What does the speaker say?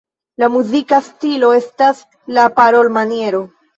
La muzika stilo estas la parolmaniero.